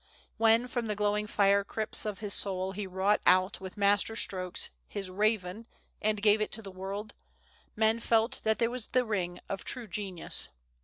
When, from the glowing fire crypts of his soul, he wrought out, with master strokes, his "Raven," and gave it to the world, men felt that there was the ring of true genius.